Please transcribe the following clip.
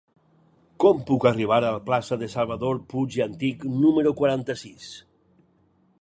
Com puc arribar a la plaça de Salvador Puig i Antich número quaranta-sis?